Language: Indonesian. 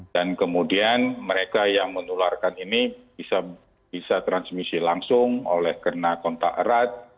dan kemudian mereka yang menularkan ini bisa transmisi langsung oleh kena kontak erat